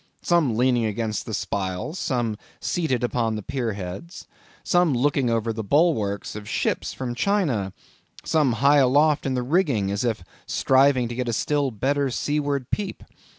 Some leaning against the spiles; some seated upon the pier heads; some looking over the bulwarks of ships from China; some high aloft in the rigging, as if striving to get a still better seaward peep.